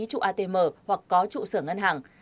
trụ atm hoặc có trụ sở ngân hàng